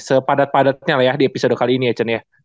sepadat padatnya lah ya di episode kali ini ya chan ya